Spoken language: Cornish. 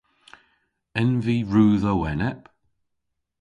En vy rudh ow enep?